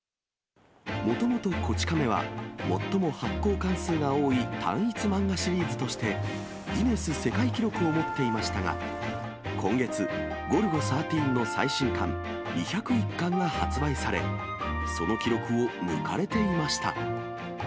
もともと、こち亀は最も発行回数が多い単一漫画シリーズとして、ギネス世界記録を持っていましたが、今月、ゴルゴ１３の最新巻２０１巻が発売され、その記録を抜かれていました。